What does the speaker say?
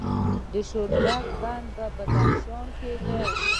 د شورابک بند په بدخشان کې دی